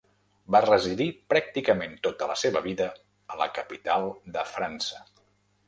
Va residir pràcticament tota la seva vida a la capital de França.